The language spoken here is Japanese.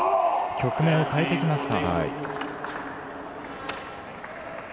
局面を変えてきました。